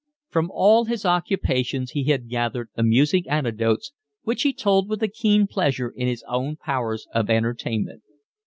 From all his occupations he had gathered amusing anecdotes, which he told with a keen pleasure in his own powers of entertainment.